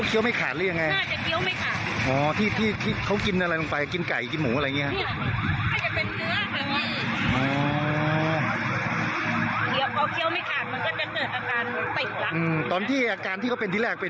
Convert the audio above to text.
เขาปลูกฮั่วใช้ฮู้กันกกเปลี่ยนกับฮัมฟอร์มเลย